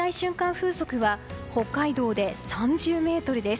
風速は北海道で３０メートルです。